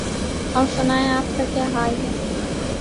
اور سنائیں آپ کا کیا حال ہے؟